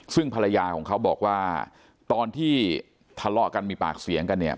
ซึ่งภรรยาของเขาบอกว่าตอนที่ทะเลาะกันมีปากเสียงกันเนี่ย